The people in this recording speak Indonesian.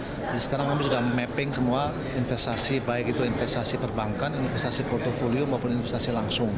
jadi sekarang kami sudah mapping semua investasi baik itu investasi perbankan investasi portfolio maupun investasi langsung